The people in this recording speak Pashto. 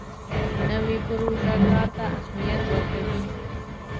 نوې پروژه کار ته اهمیت ورکوي